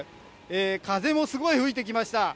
風もすごい吹いてきました。